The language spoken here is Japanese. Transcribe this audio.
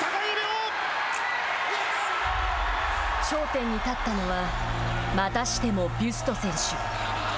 頂点に立ったのはまたしてもビュスト選手。